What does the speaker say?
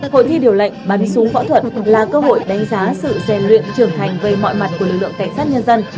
hội thi điều lệnh bắn súng võ thuật là cơ hội đánh giá sự rèn luyện trưởng thành về mọi mặt của lực lượng cảnh sát nhân dân